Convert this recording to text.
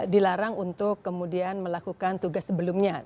dilarang untuk kemudian melakukan tugas sebelumnya